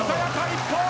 一本！